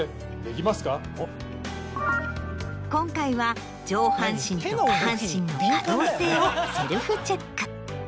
今回は上半身と下半身の可動性をセルフチェック。